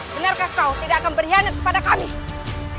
benarkah kau tidak akan berkhianat kepada kami